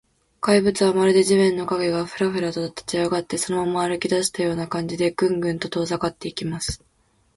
怪物は、まるで地面の影が、フラフラと立ちあがって、そのまま歩きだしたような感じで、グングンと遠ざかっていきます。